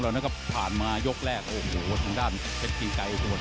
เราก็อธิบายนะครับ